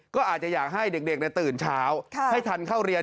ก็อาจจะอยากให้เด็กตื่นเช้าให้ทันเข้าเรียน